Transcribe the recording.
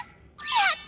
やった！